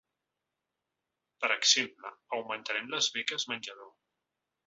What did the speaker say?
Per exemple, augmentarem les beques menjador.